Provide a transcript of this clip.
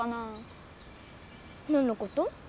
何のこと？